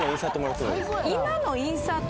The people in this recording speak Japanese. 今のをインサート？